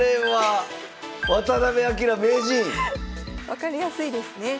分かりやすいですね。